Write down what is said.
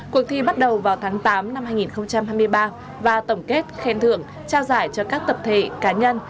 cuộc thi bắt đầu vào tháng tám năm hai nghìn hai mươi ba và tổng kết khen thưởng trao giải cho các tập thể cá nhân